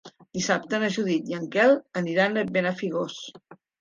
Dissabte na Judit i en Quel aniran a Benafigos.